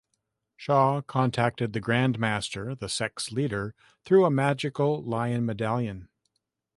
Shaw contacted the Grand Master, the sect's leader, through a magical lion medallion.